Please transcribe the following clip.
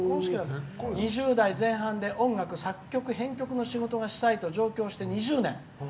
２０代前半で音楽作曲、編曲の仕事がしたいと上京して２０年。